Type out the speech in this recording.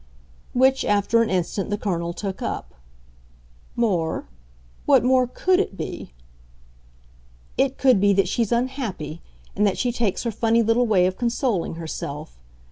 Which, after an instant, the Colonel took up. "'More'? What more COULD it be?" "It could be that she's unhappy, and that she takes her funny little way of consoling herself.